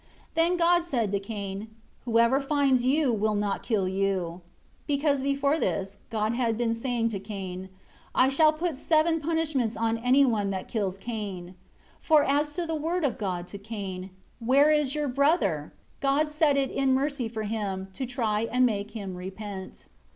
20 Then God said to Cain, "Whoever finds you will not kill you;" because before this, God had been saying to Cain, "I shall put seven punishments on anyone that kills Cain." For as to the word of God to Cain, "Where is your brother?" God said it in mercy for him, to try and make him repent.